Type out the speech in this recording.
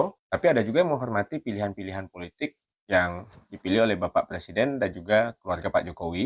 tapi ada juga yang menghormati pilihan pilihan politik yang dipilih oleh bapak presiden dan juga keluarga pak jokowi